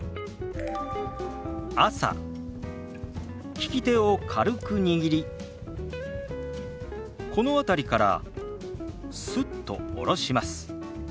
利き手を軽く握りこの辺りからスッと下ろします。